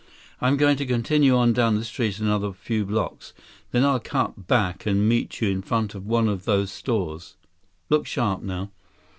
I'm going to continue on down the street another few blocks. Then I'll cut back and meet you in front of one of those stores. Look sharp, now."